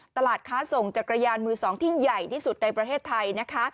ตลาดค้าส่งจักรยานมือ๒ที่ใหญ่ที่สุดในประเทศไทยนะคะ